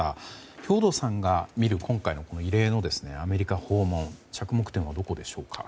兵頭さんが見る今回の異例のアメリカ訪問着目点はどこでしょうか。